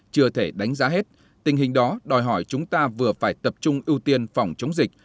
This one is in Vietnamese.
chưa thể đánh giá hết tình hình đó đòi hỏi chúng ta vừa phải tập trung ưu tiên phòng chống dịch